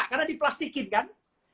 karena di plastikin kan